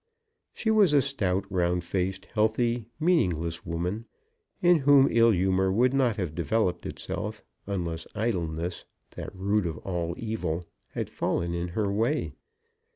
She was a stout, round faced, healthy, meaningless woman, in whom ill humour would not have developed itself unless idleness, that root of all evil, had fallen in her way.